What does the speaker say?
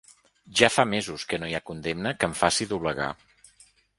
Ja fa mesos que no hi ha condemna que em faci doblegar.